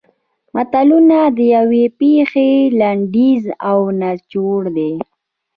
متلونه د یوې پېښې لنډیز او نچوړ دي